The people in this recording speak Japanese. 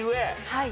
はい。